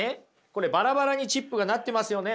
これバラバラにチップがなってますよね